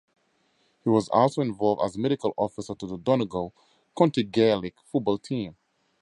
He was also involved as medical officer to the Donegal county Gaelic football team.